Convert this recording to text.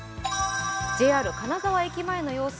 ＪＲ金沢駅前の様子。